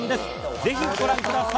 ぜひご覧ください。